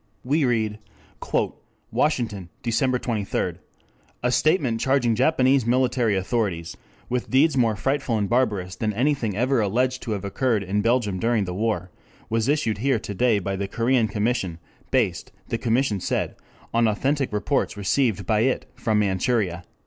We read: "Washington, Dec. 23 A statement charging Japanese military authorities with deeds more 'frightful and barbarous' than anything ever alleged to have occurred in Belgium during the war was issued here to day by the Korean Commission, based, the Commission said, on authentic reports received by it from Manchuria."